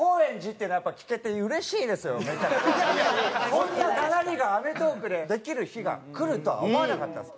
こんな絡みが『アメトーーク』でできる日が来るとは思わなかったです。